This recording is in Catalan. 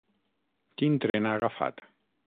Quin tren ha agafat?